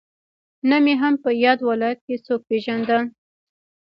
نه مې هم په ياد ولايت کې څوک پېژندل.